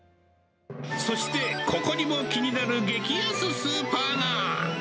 そして、ここにも気になる激安スーパーが。